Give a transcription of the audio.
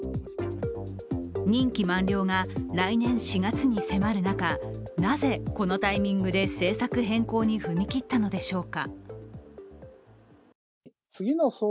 任期満了が来年４月に迫る中なぜ、このタイミングで政策変更に踏み切ったのでしょうか。